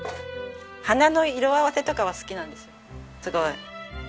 花の色合わせとかは好きなんですすごい。